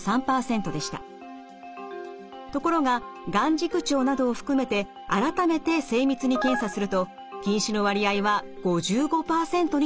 ところが眼軸長などを含めて改めて精密に検査すると近視の割合は５５％になっていました。